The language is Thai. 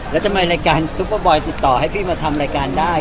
แล้วทำไมรายการซุปเปอร์บอยติดต่อให้พี่มาทำรายการได้